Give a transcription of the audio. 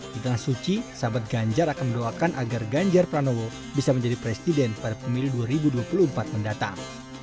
di tengah suci sahabat ganjar akan mendoakan agar ganjar pranowo bisa menjadi presiden pada pemilu dua ribu dua puluh empat mendatang